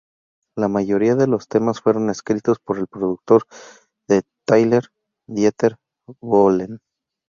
La mayoría de los temas fueron escritos por el productor de Tyler, Dieter Bohlen.